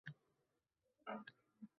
Nonning tagida esa o‘zining surati.